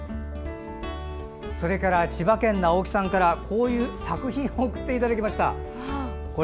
それから、千葉県の青木さんからこういう作品を送っていただきました。